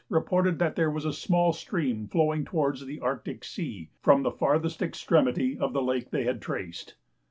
reported that there was a small stream flowing towards the Arctic Sea from the farthest extremity of the lake they had traced.